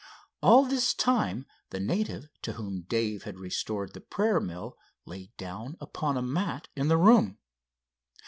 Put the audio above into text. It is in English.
All this time the native to whom Dave had restored the prayer mill lay down upon a mat in the room.